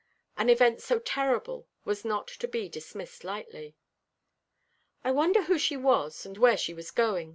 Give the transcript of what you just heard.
An event so terrible was not to be dismissed lightly. "I wonder who she was, and where she was going?"